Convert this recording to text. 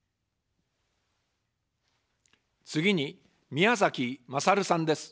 次に、宮崎まさるさんです。